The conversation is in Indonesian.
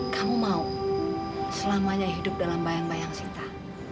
kamu mau selamanya hidup dalam bayang bayang sinta